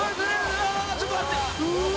うわちょっと待って！